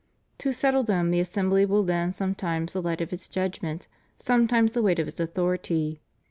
To settle them the assembly will lend sometimes the hght of its judgment, sometimes the weight of its authority.